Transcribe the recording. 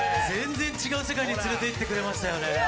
全然違う世界に連れていってくれましたよね。